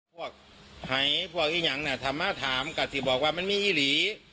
พวกไทยพวกอีกอย่างเนี้ยทำมาถามกัดสิบอกว่ามันมีอิหรี่